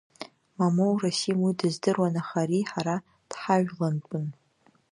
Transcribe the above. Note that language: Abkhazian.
Мамоу, Расим, уи дыздыруан, аха ари ҳара дҳажәлантәын…